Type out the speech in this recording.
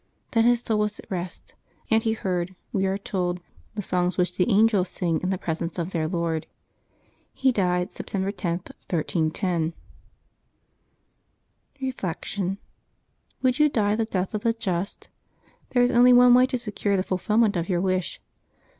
Then his soul was at rest; and he heard, we are told, the songs which the angels sing in the presence of their Lord. He died September 10, 1310. Reflection. — ^Would you die the death of the just ? there is only one way to secure the fulfilment of your wish.